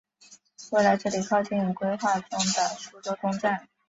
未来这里靠近规划中的苏州东站。